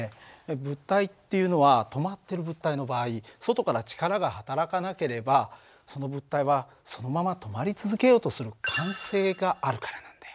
物体っていうのは止まってる物体の場合外から力がはたらかなければその物体はそのまま止まり続けようとする慣性があるからなんだよ。